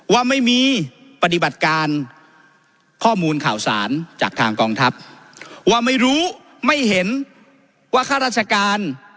ว่าไม่มีปฏิบัติการข้อมูลข่าวสารจากทางกองทัพว่าไม่รู้ไม่เห็นว่าข้าราชการ